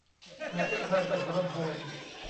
หาเส้นทางไปหัวลำโพง